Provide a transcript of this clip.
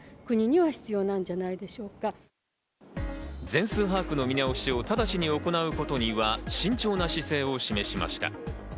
全数把握の見直しを直ちに行うことには慎重な姿勢を示しました。